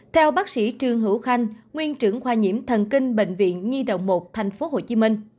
theo bác sĩ trương hữu khanh nguyên trưởng khoa nhiễm thần kinh bệnh viện nhi đồng một tp hcm